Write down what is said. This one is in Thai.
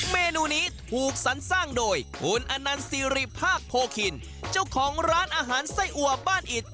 เมนูนี้ถูกสรรสร้างโดยคุณอนันสิริภาคโพคินเจ้าของร้านอาหารไส้อัวบ้านอิด